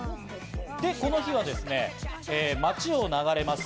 この日は町を流れます